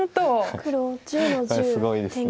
黒１０の十天元。